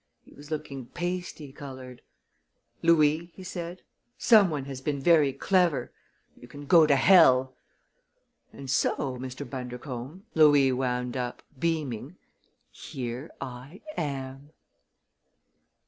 He was looking pasty colored. 'Louis,' he said, 'some one has been very clever! You can go to hell!' And so, Mr. Bundercombe," Louis wound up, beaming, "here I am!"